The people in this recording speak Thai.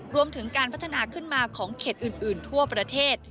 รวมถึงการพัฒนาขึ้นมาของเขตอื่นทั่วประเทศ